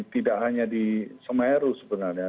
tidak hanya di semeru sebenarnya